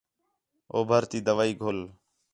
اُو بھرتی دوائی گھل